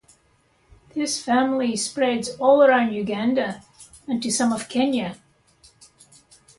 This family spreads all around Uganda and to some of Kenya.